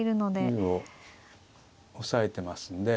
竜を押さえてますんで。